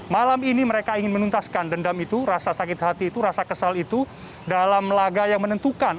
malam ini mereka ingin menuntaskan dendam itu rasa sakit hati itu rasa kesal itu dalam laga yang menentukan